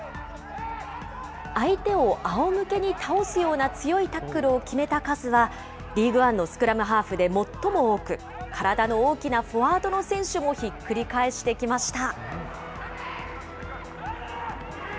相手をあおむけに倒すような強いタックルを決めた数は、リーグワンのスクラムハーフで最も多く、体の大きなフォワードの選手もひっくり返してきました。